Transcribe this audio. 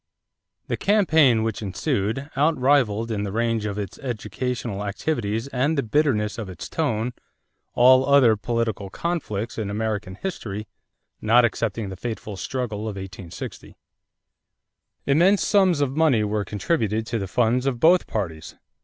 = The campaign which ensued outrivaled in the range of its educational activities and the bitterness of its tone all other political conflicts in American history, not excepting the fateful struggle of 1860. Immense sums of money were contributed to the funds of both parties.